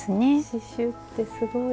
刺しゅうってすごい。